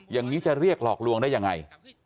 อย่างนี้จะเรียกหลอกลวงได้ยังไง